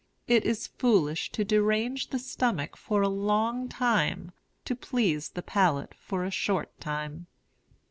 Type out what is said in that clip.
It is foolish to derange the stomach for a long time to please the palate for a short time.